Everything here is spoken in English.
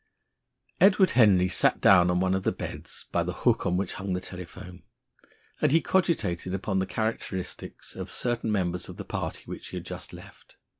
Edward Henry sat down on one of the beds by the hook on which hung the telephone. And he cogitated upon the characteristics of certain members of the party which he had just left.